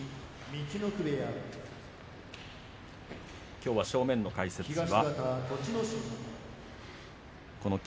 きょうは正面の解説はこの霧